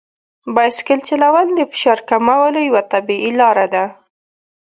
بایسکل چلول د فشار کمولو یوه طبیعي لار ده.